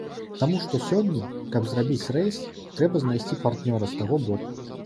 Таму што сёння, каб зрабіць рэйс, трэба знайсці партнёра з таго боку.